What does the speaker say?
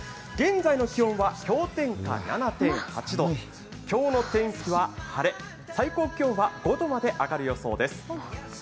現在の気温は氷点下７．８度、今日の天気は晴れ最高気温は５度まで上がる予想です